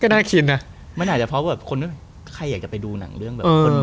น่าคิดนะมันอาจจะเพราะแบบคนนั้นใครอยากจะไปดูหนังเรื่องแบบคน